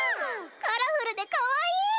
カラフルでかわいい！